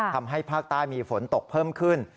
ทำให้ภาคใต้มีฝนตกเพิ่มขึ้น